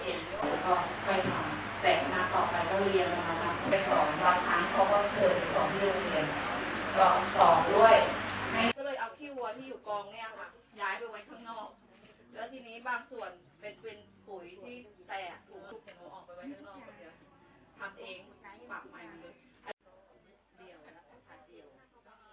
มีความรู้สึกว่ามีความรู้สึกว่ามีความรู้สึกว่ามีความรู้สึกว่ามีความรู้สึกว่ามีความรู้สึกว่ามีความรู้สึกว่ามีความรู้สึกว่ามีความรู้สึกว่ามีความรู้สึกว่ามีความรู้สึกว่ามีความรู้สึกว่ามีความรู้สึกว่ามีความรู้สึกว่ามีความรู้สึกว่ามีความรู้สึกว่า